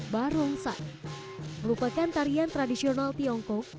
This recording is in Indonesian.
barongsai merupakan tarian tradisional tiongkok